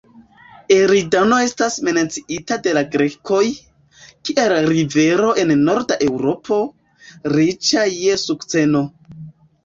Eridano estas menciita de la grekoj, kiel rivero en norda Eŭropo, riĉa je sukceno.